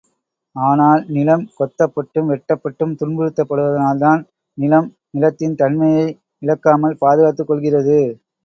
ஆனால், நிலம் கொத்தப் பட்டும், வெட்டப்பட்டும் துன்புறுத்தப் படுவதனால்தான் நிலம், நிலத்தின் தன்மையை இழக்காமல் பாதுகாத்துக் கொள்கிறது.